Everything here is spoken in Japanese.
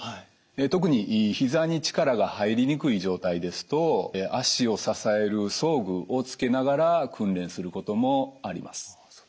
特に膝に力が入りにくい状態ですと脚を支える装具をつけながら訓練することもあります。